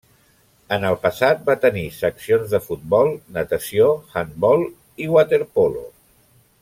En el passat va tenir seccions de futbol, natació, handbol i waterpolo.